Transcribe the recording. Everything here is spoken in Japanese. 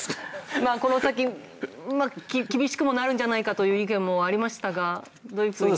この先厳しくもなるんじゃないかという意見もありましたがどういうふうに。